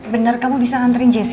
bener kamu bisa anterin jessy